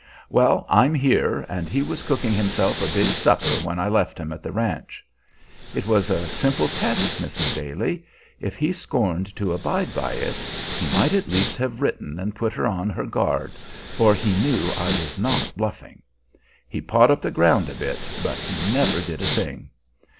"Well, I'm here, and he was cooking himself a big supper when I left him at the ranch. It was a simple test, Mrs. Daly. If he scorned to abide by it, he might at least have written and put her on her guard, for he knew I was not bluffing. He pawed up the ground a bit, but he never did a thing.